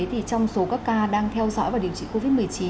trong số các ca đang theo dõi và điều trị covid một mươi chín